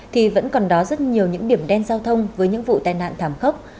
thì vẫn còn đó rất nhiều những điểm đen giao thông với những vụ tai nạn thảm khốc